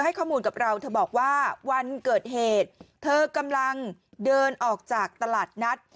ข้อมูลกับเราเธอบอกว่าวันเกิดเหตุเธอกำลังเดินออกจากตลาดนัด